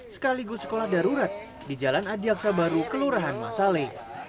sekaligus sekolah darurat di jalan adiaksa baru kelurahan masale